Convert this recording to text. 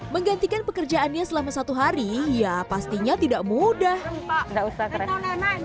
menggantikan pekerjaannya selama satu hari ya pastinya tidak mudah enggak usah keren